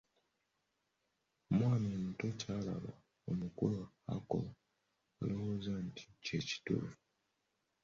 Omwana omuto ye ky’alaba omukulu akola alowooza nti kye kituufu.